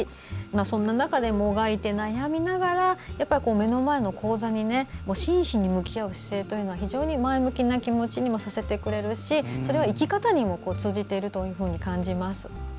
そんな中でもがいて、悩みながら目の前の高座に真摯に向かう姿勢というのが非常に前向きな気持ちにもさせてくれるしそれは生き方にも通じていると感じます。